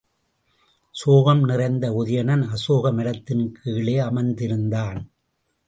சோகம் நிறைந்த உதயணன் அசோக மரத்தின் கீழே அமர்ந்திருந்தான்.